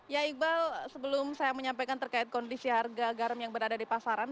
ya iqbal sebelum saya menyampaikan terkait kondisi harga garam yang berada di pasaran